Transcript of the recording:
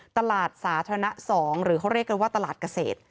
ตลาดสาธารณะ๒หรือเขาเรียกกันว่าตลาดเกษตร